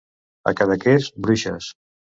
A Cadaqués, bruixes.